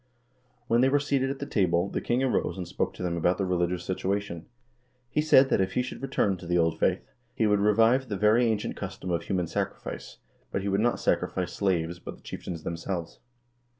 When they were seated at the table, the king arose and spoke to them about the religious situation. He said that if he should return to the old faith, he would revive the very ancient custom of human sacrifice, but he would not sacrifice slaves, but the chieftains themselves.